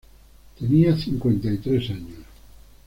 Tenía cincuenta y tres años.